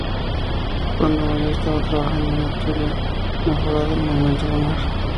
Cuando murió, estaba trabajando en una teoría mejorada del movimiento lunar.